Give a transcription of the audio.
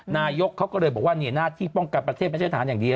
นายกเขาก็เลยบอกว่าหน้าที่ป้องกันประเทศไม่ใช่ฐานอย่างเดียว